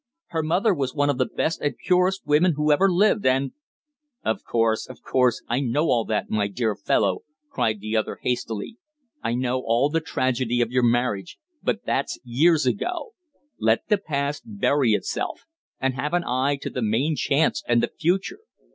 Her mother was one of the best and purest women who ever lived, and " "Of course, of course. I know all that, my dear fellow," cried the other hastily. "I know all the tragedy of your marriage but that's years ago. Let the past bury itself, and have an eye to the main chance and the future.